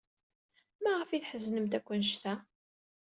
Maɣef ay tḥeznemt akk anect-a?